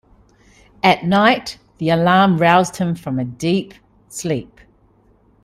At night the alarm roused him from a deep sleep.